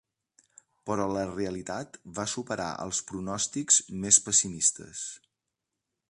Però la realitat va superar els pronòstics més pessimistes.